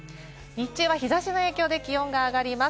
日中は日差しの影響で気温が上がります。